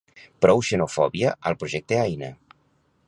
Prou xenofòbia al projecte Aina!